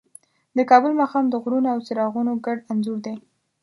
د کابل ماښام د غرونو او څراغونو ګډ انځور دی.